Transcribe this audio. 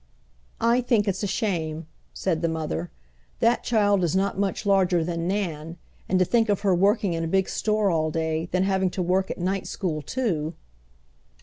"I think it's a shame!" said the mother. "That child is not much larger than Nan, and to think of her working in a big store all day, then having to work at night school too!"